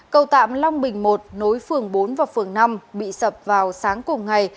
cầu tạm long bình một nối phường bốn và phường năm bị sập vào sáng cùng ngày